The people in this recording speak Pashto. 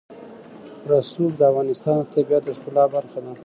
رسوب د افغانستان د طبیعت د ښکلا برخه ده.